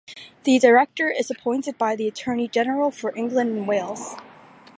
The Director is appointed by the Attorney General for England and Wales.